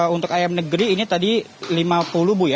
untuk ayam negeri ini tadi lima puluh bu ya